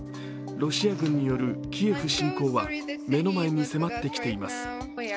ロシア軍によるキエフ侵攻は目の前に迫ってきています。